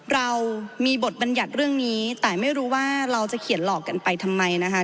เรามีบทบัญญัติเรื่องนี้แต่ไม่รู้ว่าเราจะเขียนหลอกกันไปทำไมนะคะ